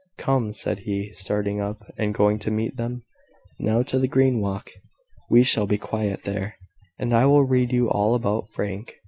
"Come!" said he, starting up, and going to meet them. "Now, to the green walk we shall be quiet there and I will read you all about Frank."